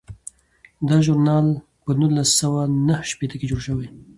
دا ژورنال په نولس سوه نهه شپیته کې جوړ شو.